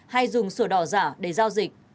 hay dùng sổ đỏ giả để giao dịch